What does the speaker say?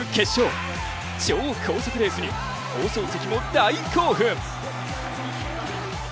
超高速レースに放送席も大興奮！